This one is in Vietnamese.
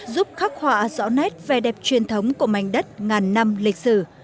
giúp khắc họa rõ nét về đẹp truyền thống của mảnh đất ngàn năm lịch sử